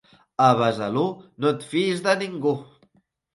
A Besalú no et fiïs de ningú.